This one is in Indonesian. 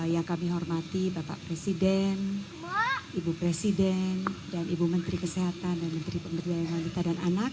yang kami hormati bapak presiden ibu presiden dan ibu menteri kesehatan dan menteri pemberdayaan wanita dan anak